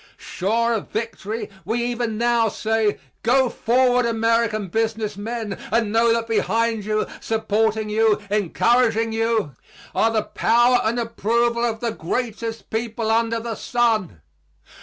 Sure of victory, we even now say, "Go forward, American business men, and know that behind you, supporting you, encouraging you, are the power and approval of the greatest people under the sun.